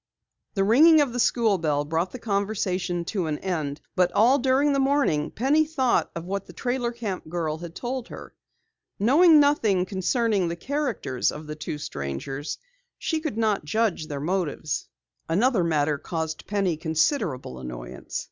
The ringing of the school bell brought the conversation to an end, but all during the morning Penny thought of what the trailer camp girl had told her. Knowing nothing concerning the characters of the two strangers, she could not judge their motives. Another matter caused Penny considerable annoyance.